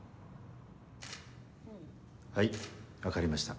はい分かりました